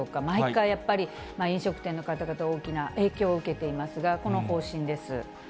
毎回やっぱり、飲食店の方々、大きな影響を受けていますが、この方針です。